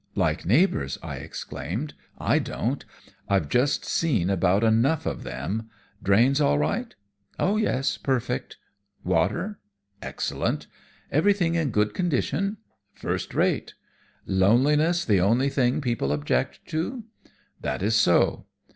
"Like neighbours!" I exclaimed. "I don't. I've just seen about enough of them. Drains all right?" "Oh, yes! Perfect." "Water?" "Excellent." "Everything in good condition?" "First rate." "Loneliness the only thing people object to?" "That is so."